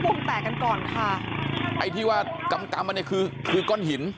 วงแตกกันก่อนค่ะไอ้ที่ว่ากำกำมาเนี่ยคือคือก้อนหิน